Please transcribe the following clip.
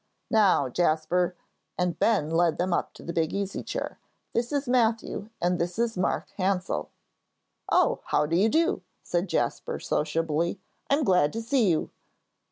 "Now, Jasper," and Ben led them up to the big easy chair, "this is Matthew and this is Mark Hansell." "Oh, how do you do?" said Jasper, sociably. "I'm glad to see you."